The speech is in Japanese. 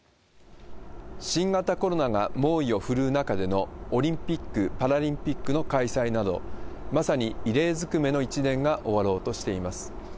新型コロナが猛威を振るう中でのオリンピック・パラリンピックの開催など、まさに異例ずくめの１年が終ろうとしています。